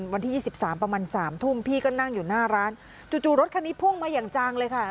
วันที่๒๓ประมาณ๓ทุ่มพี่ก็นั่งอยู่หน้าร้านจู่รถคันนี้พุ่งมาอย่างจังเลยค่ะ